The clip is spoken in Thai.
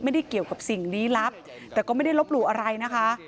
ไม่ได้เกี่ยวกับสิ่งลี้ลับแต่ก็ไม่ได้ลบหลู่อะไรนะคะ